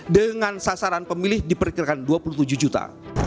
dengan sasaran pemilih diperkirakan dua puluh tujuh juta